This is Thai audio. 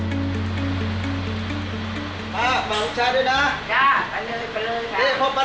ไปเลยลูกบ๊ายบาย